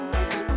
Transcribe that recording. tunggu gue ya put